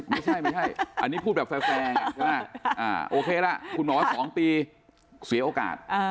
ไม่ใช่ไม่ใช่อันนี้พูดแบบแฟร์โอเคละคุณหมอ๒ปีเสียโอกาส